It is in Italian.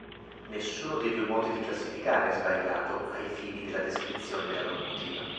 Nessuno dei due modi di classificare è sbagliato, ai fini della descrizione della locomotiva.